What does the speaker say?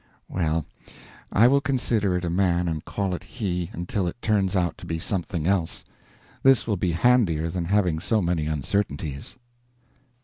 _ Well, I will consider it a man and call it he until it turns out to be something else. This will be handier than having so many uncertainties.